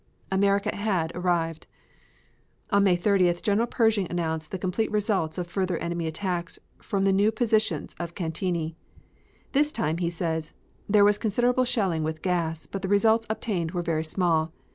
America had arrived. On May 30th General Pershing announced the complete repulse of further enemy attacks from the new American positions near Cantigny. This time he says: "there was considerable shelling with gas, but the results obtained were very small.